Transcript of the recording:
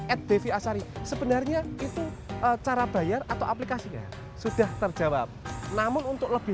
at devi asari sebenarnya itu cara bayar atau aplikasinya sudah terjawab namun untuk lebih